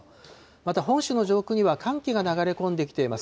また本州の上空には、寒気が流れ込んできています。